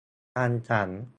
รังสรรค์